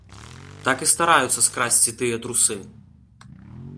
Так і стараюцца скрасці тыя трусы!